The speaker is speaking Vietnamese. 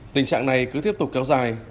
tình trạng này cứ tiếp tục kéo dài